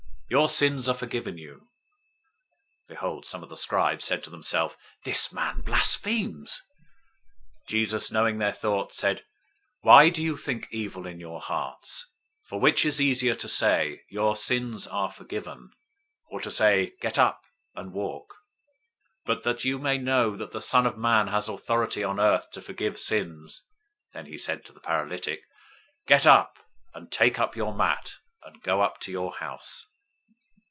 Your sins are forgiven you." 009:003 Behold, some of the scribes said to themselves, "This man blasphemes." 009:004 Jesus, knowing their thoughts, said, "Why do you think evil in your hearts? 009:005 For which is easier, to say, 'Your sins are forgiven;' or to say, 'Get up, and walk?' 009:006 But that you may know that the Son of Man has authority on earth to forgive sins..." (then he said to the paralytic), "Get up, and take up your mat, and go up to your house."